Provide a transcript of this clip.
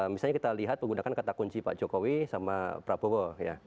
misalnya kita lihat menggunakan kata kunci pak jokowi sama prabowo